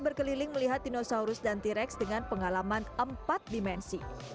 berkeliling melihat dinosaurus dan t rex dengan pengalaman empat dimensi